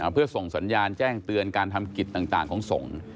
เพื่อส่งสัญญาณแจ้งเตือนการทำกิจต่างของสงฆ์